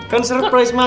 kan surprise ma